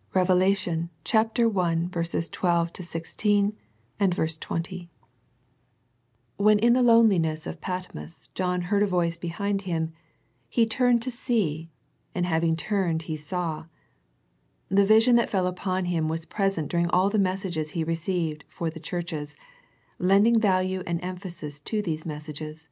— Rev. i: 12 16, 20. II THE VISION AND THE VOICE "1X7 HEN in the loneliness of Patmos John heard a voice behind him, he " turned to see ... and having turned he saw." The vision that fell upon him was present during all the messages he received for the churches, lending value and emphasis to these messages.